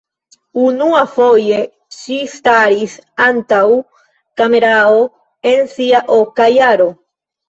Unuafoje ŝi staris antaŭ kamerao en sia oka jaro.